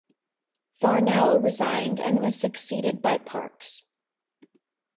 Farnell resigned and was succeeded by Parkes.